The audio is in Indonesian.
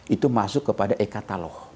itu masuk kepada ektalo